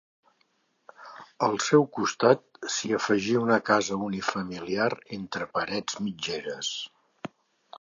Al seu costat s'hi afegí una casa unifamiliar entre parets mitgeres.